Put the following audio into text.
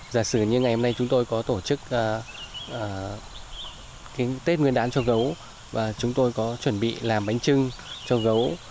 giả sử như ngày hôm nay chúng tôi có tổ chức tết nguyên đán cho gấu và chúng tôi có chuẩn bị làm bánh trưng cho gấu